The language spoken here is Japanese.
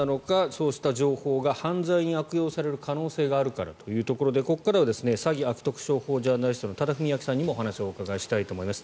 そうした情報が犯罪に悪用される可能性があるからということでここからは詐欺・悪徳商法ジャーナリストの多田文明さんにもお話をお伺いしたいと思います。